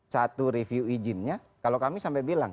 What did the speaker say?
satu review izinnya kalau kami sampai bilang